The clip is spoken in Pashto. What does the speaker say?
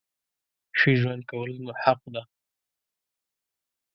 ښه ژوند کول زموږ حق ده.